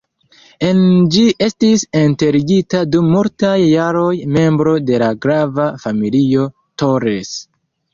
En ĝi estis enterigita dum multaj jaroj membro de la grava familio "Torres".